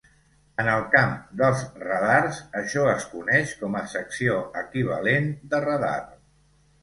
En el camp dels radars això es coneix com a secció equivalent de radar.